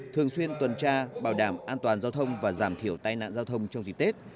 thường xuyên tuần tra bảo đảm an toàn giao thông và giảm thiểu tai nạn giao thông trong dịp tết